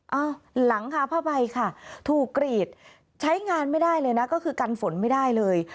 หลังคาผ้าใบค่ะถูกกรีดใช้งานไม่ได้เลยนะก็คือกันฝนไม่ได้เลย